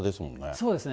そうですね。